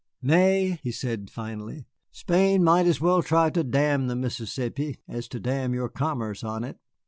"Nay," he said finally, "Spain might as well try to dam the Mississippi as to dam your commerce on it.